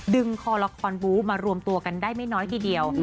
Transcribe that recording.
คอละครบู๊มารวมตัวกันได้ไม่น้อยทีเดียว